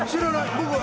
僕は。